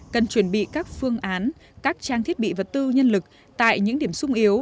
cần chuẩn bị các phương án các trang thiết bị vật tư nhân lực tại những điểm sung yếu